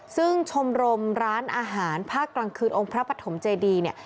ซึ่งชมรมร้านอาหารภาคกลางคืนองค์พระปฐมเจดีเนี่ย